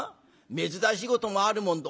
珍しいこともあるもんだ。